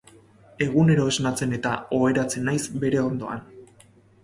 Egunero esnatzen eta oheratzen naiz bere ondoan.